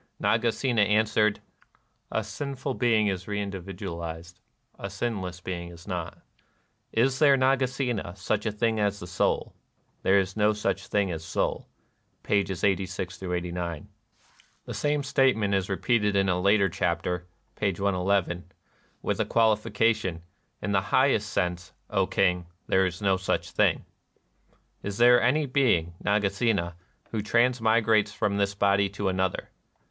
" Naga sena answered :" A sinful being is reindividual ized ; a sinless one is not." (p. 50.) " Is there, Nagasena, such a thing as the soul ?"" There is no such thing as soul." (pp. 86 89.) [The same statement is repeated in a later chapter (p. Ill), with a qualification: ^^ In the highest sense, O King, there is no such thing."] " Is there any being, Nagasena, who transmi grates from this body to another